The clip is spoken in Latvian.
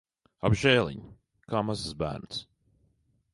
Apžēliņ! Kā mazs bērns.